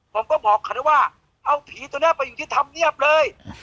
ผมก็บอกเขานะว่าเอาผีตัวนี้ไปอยู่ที่ธรรมเนียบเลย